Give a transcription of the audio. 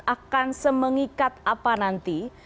akan semengikat apa nanti